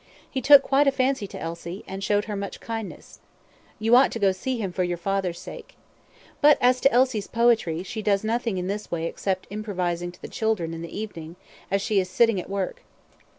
He took quite a fancy to Elsie, and showed her much kindness. You ought to go to see him for your father's sake. But as to Elsie's poetry, she does nothing in this way except improvising to the children in the evening, as she is sitting at work.